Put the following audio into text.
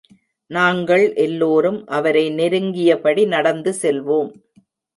நாங்கள் எல்லோரும் அவரை நெருங்கியபடி நடந்து செல்வோம்.